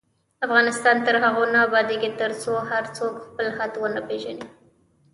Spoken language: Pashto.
افغانستان تر هغو نه ابادیږي، ترڅو هر څوک خپل حد ونه پیژني.